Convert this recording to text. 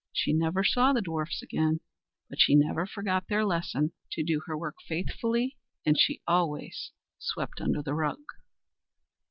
She never saw the dwarfs again; but she never forgot their lesson, to do her work faithfully; and she always swept under the rug.